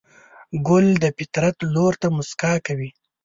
ګل د فطرت لور ته موسکا کوي.